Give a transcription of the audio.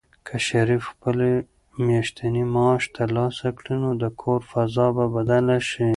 که شریف خپل میاشتنی معاش ترلاسه کړي، نو د کور فضا به بدله شي.